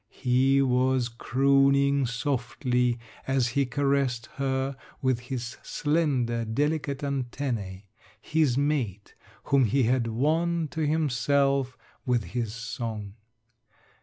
He was crooning softly as he caressed her with his slender, delicate antennæ his mate, whom he had won to himself with his song.